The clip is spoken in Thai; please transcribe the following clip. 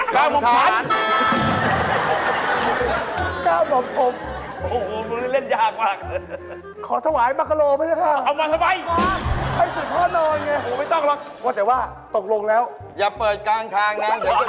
ก้าวหม่อมผ่าน